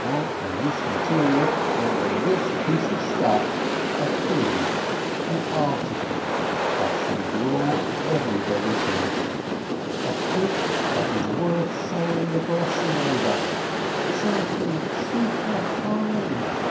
— out of this material, out of this piece of stuff, a thing, an article, that shall draw everybody to it, a fruit that is worth saying the blessing over, something superfine.